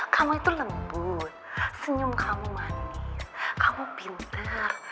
kamu itu lembut senyum kamu manis kamu pintar